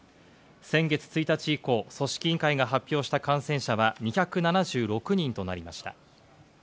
先月１日以降、組織委員会が発表した感染者は２７６人となりました。